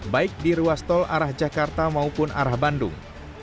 baik di ruas tol arah jakarta maupun arah bandung